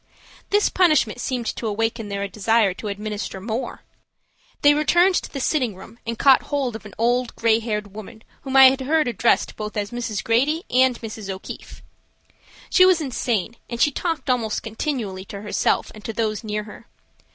This punishment seemed to awaken their desire to administer more. They returned to the sitting room and caught hold of an old gray haired woman whom I have heard addressed both as Mrs. Grady and Mrs. O'Keefe. She was insane, and she talked almost continually to herself and to those near her.